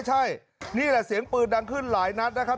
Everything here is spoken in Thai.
ใช่นี่แหละเสียงปืนดังขึ้นหลายนัดนะครับ